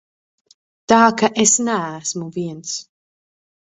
Tā ka es neesmu viens.